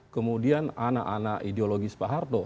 kemudian anak anak ideologis pak harto